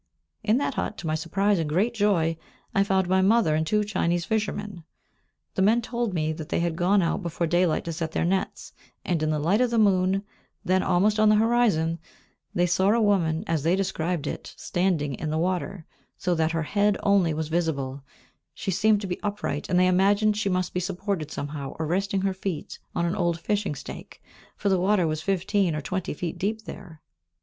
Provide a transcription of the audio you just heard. In that hut, to my surprise and great joy, I found my mother and two Chinese fishermen. The men told me that they had gone out before daylight to set their nets, and in the light of the moon, then almost on the horizon, they saw a woman, as they described it, "standing in the water," so that, though her head only was visible, she seemed to be upright, and they imagined she must be supported somehow, or resting her feet on an old fishing stake, for the water was fifteen or twenty feet deep there.